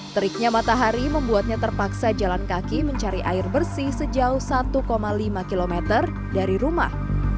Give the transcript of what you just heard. teriknya matahari membuatnya terpaksa jalan kaki mencari air bersih sejauh satu lima km dari rumah